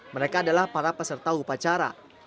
mereka adalah para peserta upacara